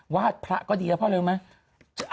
วาดพระก็ดีแล้วเพราะอะไรไหม